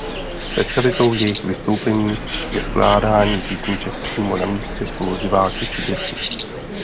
Specialitou jejich vystoupení je skládání písniček přímo na místě spolu s diváky či dětmi.